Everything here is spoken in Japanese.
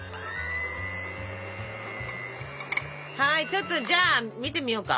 はいちょっとじゃあ見てみようか。